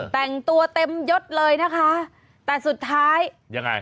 แต่งตัวเต็มยดเลยนะคะแต่สุดท้ายยังไง